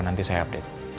nanti saya update ya